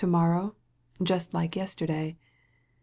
21 To morrow just like yesterday.